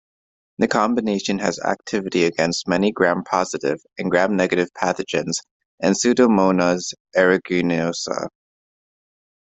The combination has activity against many Gram-positive and Gram-negative pathogens and "Pseudomonas aeruginosa".